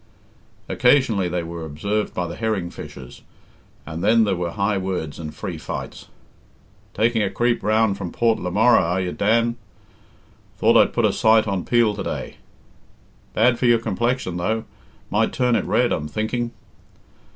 Occasionally they were observed by the herring fishers, and then there were high words and free fights. "Taking a creep round from Port le Murrey are you, Dan?" "Thought I'd put a sight on Peel to day." "Bad for your complexion, though; might turn it red, I'm thinking."